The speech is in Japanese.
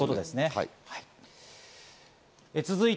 はい。